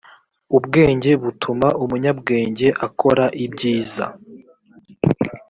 ubwenge butuma umunyabwenge akora ibyiza.